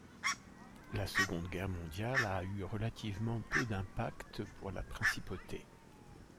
La Seconde Guerre mondiale a eu relativement peu d'impact pour la principauté.